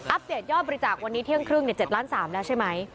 อัพเดทยอบบริจาควันนี้เที่ยงครึ่งเนี่ย๗ล้าน๓แล้วใช่ไหม